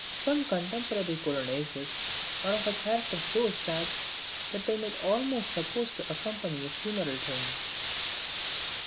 Some contemporary Polonaises are of a character so sad, that they might almost be supposed to accompany a funeral train.